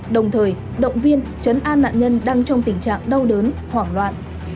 đồng thời động viên chấn an nạn nhân đang trong tình trạng đau đớn hoảng loạn